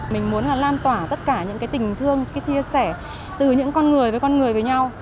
mình muốn là lan tỏa tất cả những cái tình thương cái chia sẻ từ những con người với con người với nhau